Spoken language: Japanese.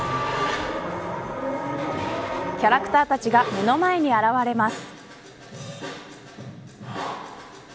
キャラクターたちが目の前に現れます。